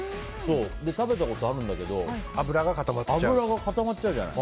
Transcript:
食べたことあるんだけど油が固まっちゃうじゃない。